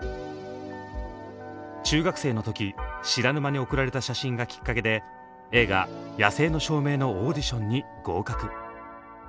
中学生の時知らぬ間に送られた写真がきっかけで映画「野性の証明」のオーディションに合格。